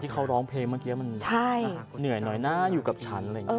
ที่เขาร้องเพลงเมื่อกี้มันเหนื่อยหน่อยหน้าอยู่กับฉัน